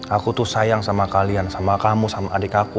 aku tuh sayang sama kalian sama kamu sama adik aku